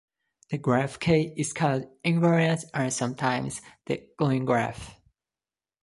The graph K is called "invariant" or sometimes the "gluing graph".